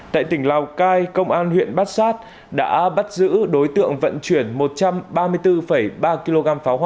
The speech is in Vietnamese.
tại tỉnh lào cai công an huyện bát sát đã bắt giữ đối tượng vận chuyển một trăm ba mươi bốn năm triệu đồng